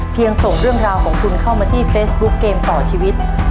ส่งเรื่องราวของคุณเข้ามาที่เฟซบุ๊คเกมต่อชีวิต